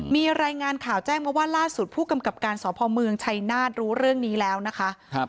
มีรายงานข่าวแจ้งมาว่าล่าสุดผู้กำกับการสพเมืองชัยนาศรู้เรื่องนี้แล้วนะคะ